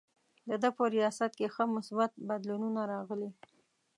د ده په ریاست کې ښه مثبت بدلونونه راغلي.